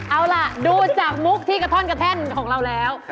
เอาล่ะดูจากมุกที่กระท่อนกระแท่นของเราแล้ว